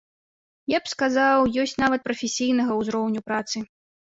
Я б сказаў ёсць нават прафесійнага ўзроўню працы.